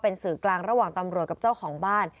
เป็นสื่อกลางระหว่างตำรวจกับเจ้าของบ้าน